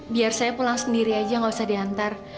biar saya pulang sendiri aja nggak usah diantar